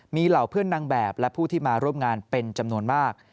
มีเหล่าเพื่อนนางแบบและผู้ที่มาร่วมงานเป็นจำนวนมาก